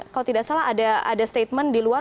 kalau tidak salah ada statement di luar